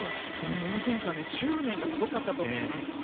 宇野選手は執念がすごかったと思います。